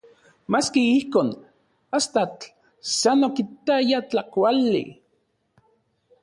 Maski ijkon, astatl san okitaya tlakuali.